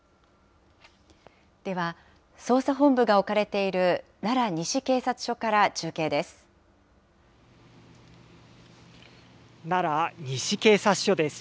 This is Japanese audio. では、捜査本部が置かれている奈良西警察署から中継です。